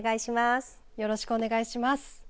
よろしくお願いします。